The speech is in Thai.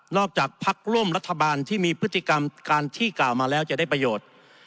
จากพักร่วมรัฐบาลที่มีพฤติกรรมการที่กล่าวมาแล้วจะได้ประโยชน์